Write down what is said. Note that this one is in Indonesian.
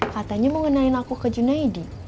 katanya mau ngenalin aku ke junaedi